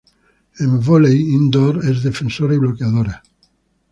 En Vóley indoor es defensora y bloqueadora.